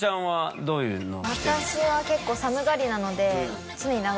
私は結構寒がりなので。